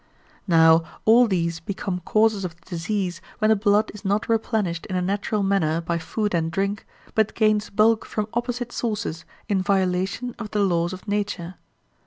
Now all these become causes of disease when the blood is not replenished in a natural manner by food and drink but gains bulk from opposite sources in violation of the laws of nature.